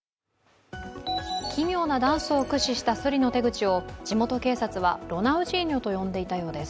奇妙なダンスを駆使したスリの手口を地元警察はロナウジーニョと呼んでいたようです。